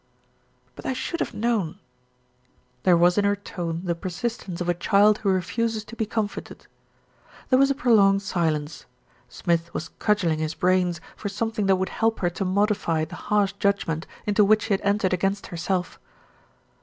"But I should have known." There was in her tone the persistence of a child who refuses to be comforted. There was a prolonged silence. Smith was cudgelling his brains for something that would help her to modify the harsh judgment into which she had entered against herself.